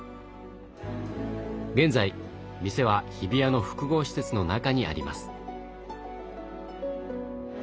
現在店は日比谷の複合施設の中にあります。